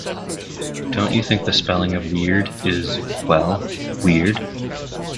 Don't you think the spelling of weird is, well, weird?